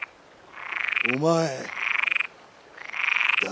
お前誰だ？